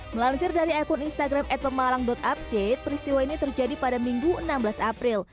melansir dari akun instagram at pemalang update peristiwa ini terjadi pada minggu enam belas april